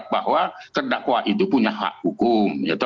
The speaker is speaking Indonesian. bahwa terdakwa itu punya hak hukum